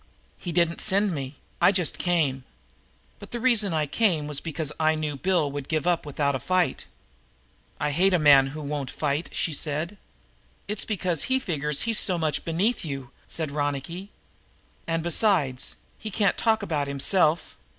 "He didn't send me I just came. But the reason I came was because I knew Bill would give up without a fight." "I hate a man who won't fight," said the girl. "It's because he figures he's so much beneath you," said Ronicky. "And, besides, he can't talk about himself.